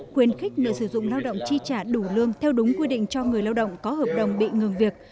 khuyến khích người sử dụng lao động chi trả đủ lương theo đúng quy định cho người lao động có hợp đồng bị ngừng việc